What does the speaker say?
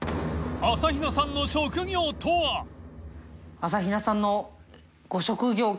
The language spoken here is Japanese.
朝比奈さん）